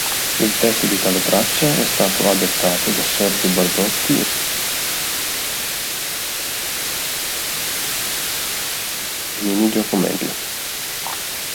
Il testo di tale traccia è stato adattato da Sergio Bardotti e Nini Giacomelli.